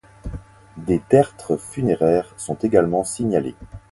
Des tertres funéraires sont également signalés.